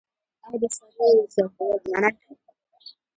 آیا د څارویو ځورول منع نه دي؟